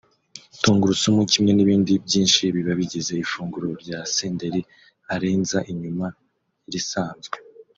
tungurusumu kimwe n'ibindi byinshi biba bigize ifunguro rya Senderi arenza inyuma y'irisanzwe